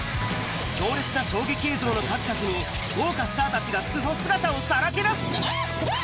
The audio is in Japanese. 強烈な衝撃映像の数々に、豪華スターたちが素の姿をさらけ出す。